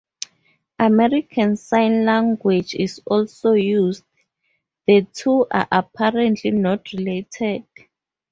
American Sign Language is also used; the two are apparently not related.